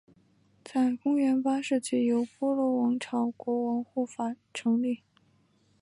在公元八世纪由波罗王朝国王护法成立。